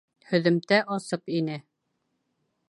Һөҙөмтә асыҡ ине.